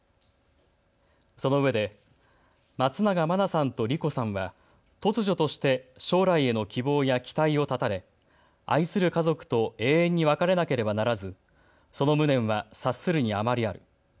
そのうえで松永真菜さんと莉子さんは突如として将来への希望や期待を絶たれ、愛する家族と永遠に別れなければならずその無念は察するに余りある。